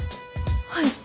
はい。